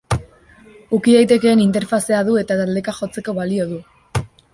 Uki daitekeen interfazea du eta taldeka jotzeko balio du.